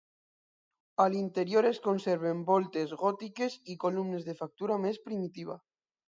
A l'interior es conserven voltes gòtiques i columnes de factura més primitiva.